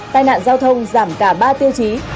tài nạn giao thông giảm cả ba tiêu chí